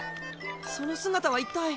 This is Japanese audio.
その姿は一体。